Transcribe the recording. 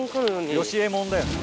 ヨシえもんだよ。